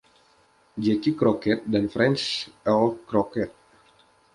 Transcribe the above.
“Jacky” Crockett, dan Frances Earl Crockett.